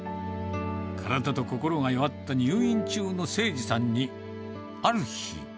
体と心が弱った入院中のせいじさんに、ある日。